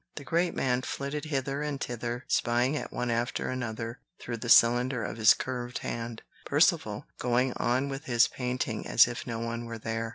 The great man flitted hither and thither, spying at one after another through the cylinder of his curved hand, Percivale going on with his painting as if no one were there.